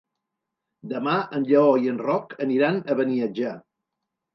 Demà en Lleó i en Roc aniran a Beniatjar.